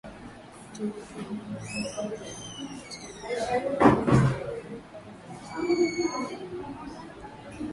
Waturuki wa Meskhetian wanabaki kama kabila ambalo